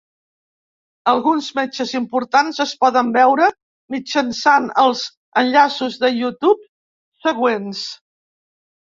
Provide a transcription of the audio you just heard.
Alguns metges importants es poden veure mitjançant els enllaços de YouTube següents.